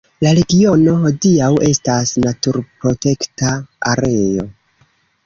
La regiono hodiaŭ estas naturprotekta areo.